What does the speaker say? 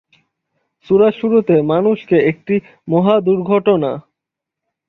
সূরার শুরুতে মানুষকে একটি "মহা দুর্ঘটনা!"